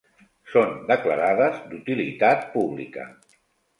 Són declarades d'utilitat pública.